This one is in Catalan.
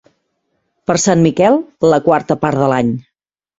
Per Sant Miquel, la quarta part de l'any.